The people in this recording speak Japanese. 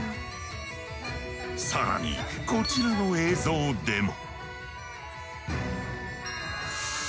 更にこちらの映像でも。